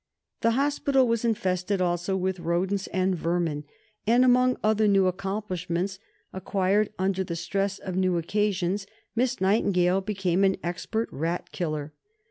The Hospital was infested also with rodents and vermin; and, among other new accomplishments acquired under the stress of new occasions, Miss Nightingale became an expert rat killer.